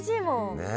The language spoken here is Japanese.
ねえ。